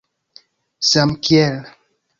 samkiel